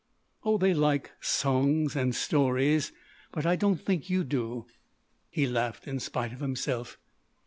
"Oh, they like songs and stories. But I don't think you do." He laughed in spite of himself.